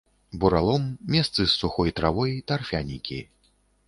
Буралом, месцы з сухой травой, тарфянікі.